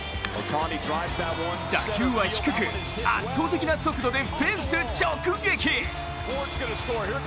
打球は低く、圧倒的な速度でフェンス直撃。